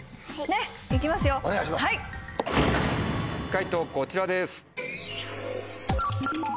解答こちらです。